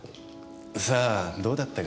さあどうだったかな。